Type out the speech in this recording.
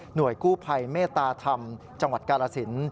กู้ภัยเมตตาธรรมจังหวัดกาลสิน